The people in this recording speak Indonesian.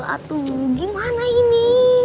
aduh gimana ini